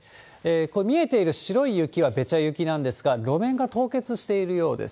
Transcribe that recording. これ、見えている白い雪はべちゃ雪なんですが、路面が凍結しているようです。